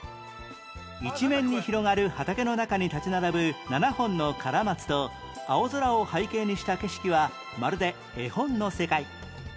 一面に広がる畑の中に立ち並ぶ７本のカラマツと青空を背景にした景色はまるで絵本の世界